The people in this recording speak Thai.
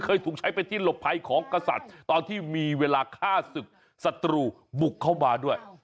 ถูกใช้เป็นที่หลบภัยของกษัตริย์ตอนที่มีเวลาฆ่าศึกศัตรูบุกเข้ามาด้วย